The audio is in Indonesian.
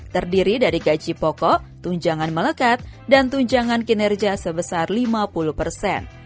terdiri dari gaji pokok tunjangan melekat dan tunjangan kinerja sebesar lima puluh persen